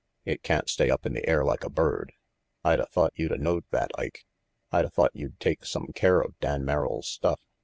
It can't stay up in the air like a bird. I'd a thought you'd a knowed that, Ike. I'd a thought you'd take some care of Dan Merrill's stuff.